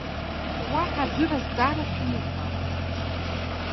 Уаҳа аӡәыр азҵаара шәымоума?